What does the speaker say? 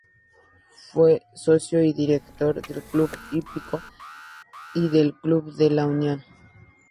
Fue socio y director del Club Hípico y del Club de La Unión.